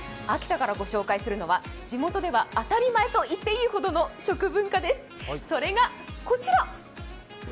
秋田から御紹介するのは地元では当たり前といっていいほどの食文化です、それがこちら。